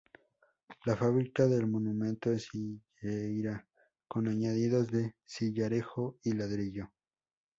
La fábrica del monumento es sillería con añadidos de sillarejo y ladrillo.